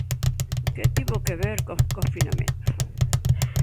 Que tivo que ver co confinamento?